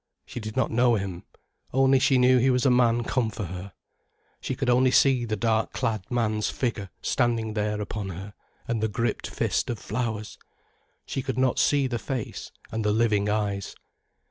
She did not know him, only she knew he was a man come for her. She could only see the dark clad man's figure standing there upon her, and the gripped fist of flowers. She could not see the face and the living eyes.